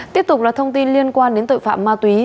tiếp tục là thông tin liên quan đến tội phạm ma túy